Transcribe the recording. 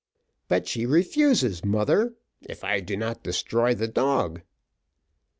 "But she refuses, mother, if I do not destroy the dog."